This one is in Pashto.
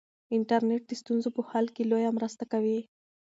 انټرنیټ د ستونزو په حل کې لویه مرسته کوي.